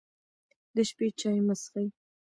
د شپې چای مه څښئ.